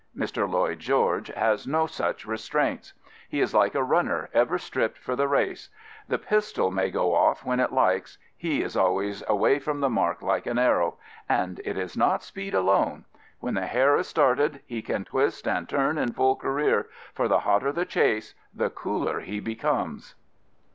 Mr. Lloyd George has no such restraints. He is like a runner ever stripped for the race. The pistol may go off when it likes: he is always away from the mark like an arrow. And it is not speed alone. When the hare is started he can twist and turn in full career, for the hotter the chase the cooler he becomes.